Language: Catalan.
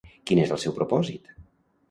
Quin és el seu propòsit?